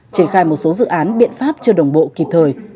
triển khai một số dự án biện pháp chưa đồng bộ kịp thời